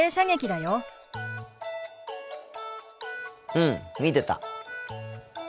うん見てた。